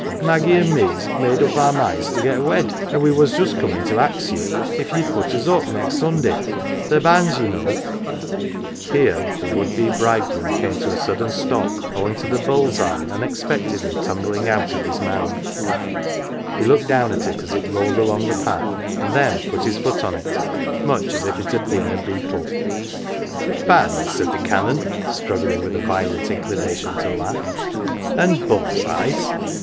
Maggie an 1 me's made up our minds to get wed, an' we was just comin" 1 to ax ye if ye'd put us up next Sunday the banns, ye know Here the would be bridegroom came to a sudden stop owing to the bull's eye unexpectedly tumbling out of his mouth : he looked down at it as it rolled along the path, and then put his foot on it, much as if it had been a beetle. 199 LITTLE PAUPERS " Banns !" said the Canon, struggling with a violent inclination to laugh, " and bull's eyes